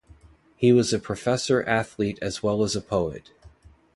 He was a professional athlete as well as a poet.